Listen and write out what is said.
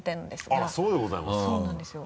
あらそうでございますか？